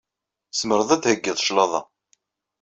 Tzemreḍ ad d-theggiḍ claḍa.